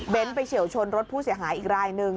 ไปเฉียวชนรถผู้เสียหายอีกรายหนึ่ง